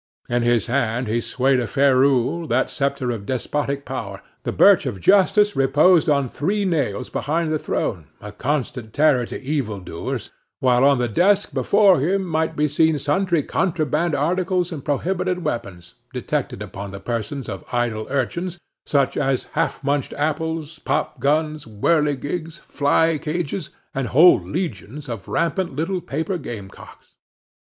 In his hand he swayed a ferule, that sceptre of despotic power; the birch of justice reposed on three nails behind the throne, a constant terror to evil doers, while on the desk before him might be seen sundry contraband articles and prohibited weapons, detected upon the persons of idle urchins, such as half munched apples, popguns, whirligigs, fly cages, and whole legions of rampant little paper gamecocks.